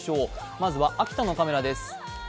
まずは秋田のカメラです。